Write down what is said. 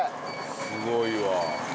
すごいわ。